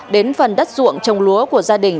đến phần đất ruộng trồng lúa của gia đình